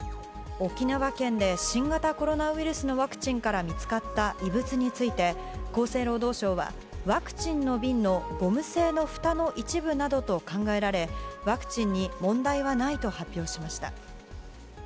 沖縄県で、新型コロナウイルスのワクチンから見つかった異物について、厚生労働省はワクチンの瓶の、ゴム製のふたの一部などと考えられワクチンに問題はないと発表しました。